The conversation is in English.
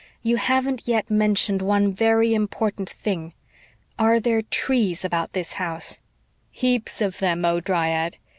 You haven't yet mentioned one very important thing. Are there TREES about this house?" "Heaps of them, oh, dryad!